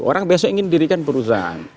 orang besok ingin dirikan perusahaan